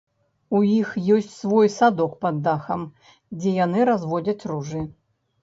У іх ёсць свой садок пад дахам, дзе яны разводзяць ружы.